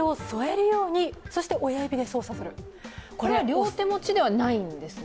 両手持ちではないんですね？